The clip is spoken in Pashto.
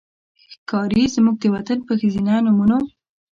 ښکاري زموږ د وطن په ښځېنه نومونو